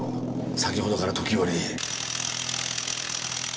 先ほどから時折。